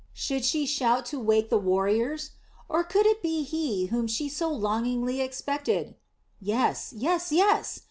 Should she shout to wake the warriors? Or could it be he whom she so longingly expected? Yes, yes, yes!